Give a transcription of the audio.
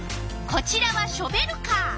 こちらはショベルカー。